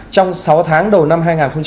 trong sáu tháng đầu năm hai nghìn hai mươi